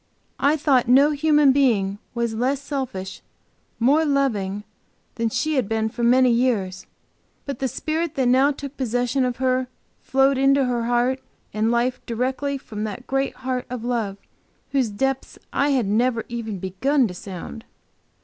I thought no human being was less selfish, more loving than she had been for many years, but the spirit that now took possession of her flowed into her heart and life directly from that great Heart of love, whose depth I had never even begun to sound.